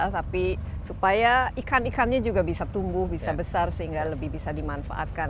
tapi supaya ikan ikannya juga bisa tumbuh bisa besar sehingga lebih bisa dimanfaatkan